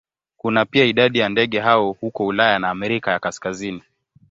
Kuna pia idadi ya ndege hao huko Ulaya na Amerika ya Kaskazini.